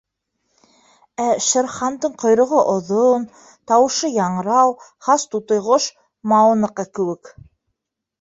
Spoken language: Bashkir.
Ә Шер Хандың ҡойроғо оҙон, тауышы яңрау, хас тутыйғош Маоныҡы кеүек.